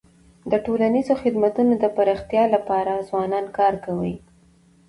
د ټولنیزو خدمتونو د پراختیا لپاره ځوانان کار کوي.